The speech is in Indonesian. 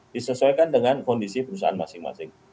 disesuaikan dengan kondisi perusahaan masing masing